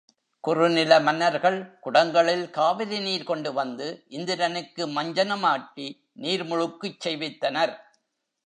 குறுநில மன்னர்கள், குடங்களில் காவிரிநீர் கொண்டுவந்து இந்திரனுக்கு மஞ்சனம் ஆட்டி நீர் முழுக்குச் செய்வித்தனர்.